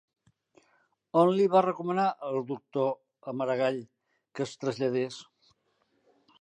On li va recomanar el doctor a Maragall que es traslladés?